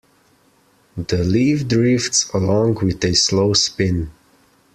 The leaf drifts along with a slow spin.